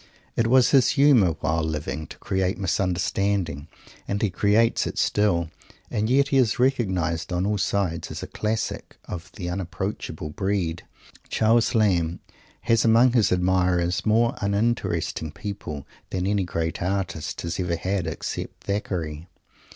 It was his humour, while living, to create misunderstanding, and he creates it still. And yet he is recognized on all sides as a Classic of the unapproachable breed. Charles Lamb has among his admirers more uninteresting people than any great artist has ever had except Thackeray.